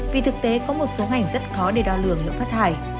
vì thực tế có một số ngành rất khó để đo lường lượng lượng phát thải